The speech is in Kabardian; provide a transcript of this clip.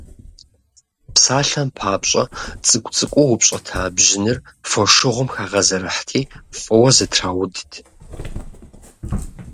Псалъэм папщӏэ, цӏыкӏу-цӏыкӏуу упщӏэта бжьыныр фошыгъум хагъэзэрыхьти, фӏыуэ зэтраудт.